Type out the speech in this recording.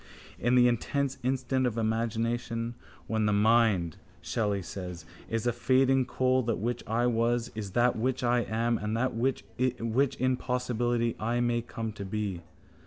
In the intense instant of imagination, when the mind, Shelley says, is a fading coal, that which I was is that which I am and that which in possibility I may come to be.